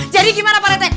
jadi gimana pak rete